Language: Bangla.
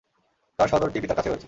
তার সহোদরটি পিতার কাছে রয়েছে।